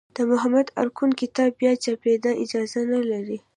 د محمد ارکون کتاب بیا چاپېدا اجازه نه لري.